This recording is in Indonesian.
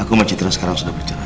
aku dan citra sekarang sudah bercerai